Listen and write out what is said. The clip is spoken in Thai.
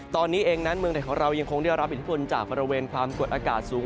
ตอนนี้เองนั้นเมืองไทยที่ของเรายังคงเตรียมรับผลิตธุลจากบริเวณความรวดอากาศสูง